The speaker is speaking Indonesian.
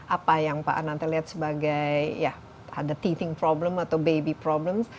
apa yang pak ananta lihat sebagai ya ada teething problem atau baby problem